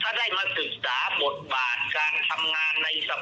การทำงานในสภาพบทบาทของการปรวจสอบ